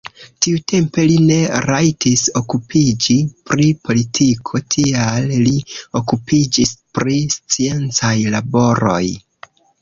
Tiutempe li ne rajtis okupiĝi pri politiko, tial li okupiĝis pri sciencaj laboroj.